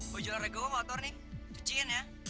mau jual regawa motor nih cuciin ya